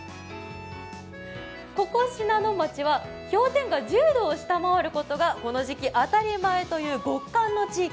ここ、信濃町は氷点下１０度を下回ることがこの時期当たり前という極寒の地域。